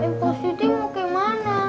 mpok siti mau kemana